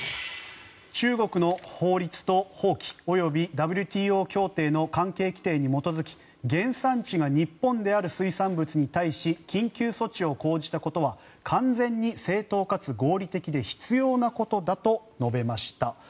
中国の法律と法規及びＷＴＯ協定の関係規定に基づき原産地が日本である水産物に対し緊急措置を講じたことは完全に正当かつ合理的で必要なことだと述べました。